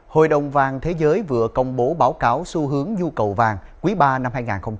hội đồng vàng thế giới vừa công bố báo cáo xu hướng nhu cầu vàng quý ba năm hai nghìn hai mươi bốn